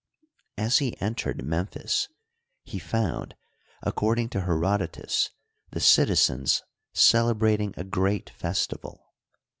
As he entered Memphis he found, according to Herodotus, the citizens celebrating a great festival.